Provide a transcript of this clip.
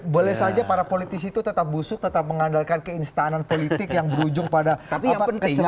boleh saja para politisi itu tetap busuk tetap mengandalkan keinstanan politik yang berujung pada kecelakaan